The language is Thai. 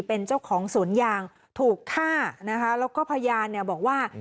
เป็นเจ้าของสวนยางถูกฆ่านะคะแล้วก็พยานเนี่ยบอกว่า